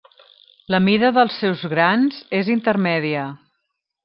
La mida dels seus grans és intermèdia.